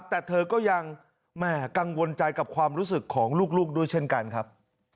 แต่เธอก็ยังแหม่กังวลใจกับความรู้สึกของลูกด้วยเช่นกันครับ